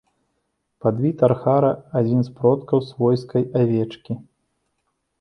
Падвід архара, адзін з продкаў свойскай авечкі.